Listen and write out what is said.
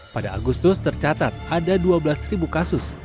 pada agustus tercatat ada dua belas kasus